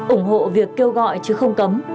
ủng hộ việc kêu gọi chứ không cấm